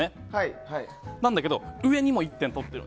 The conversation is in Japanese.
なんだけど上にも１点取っている。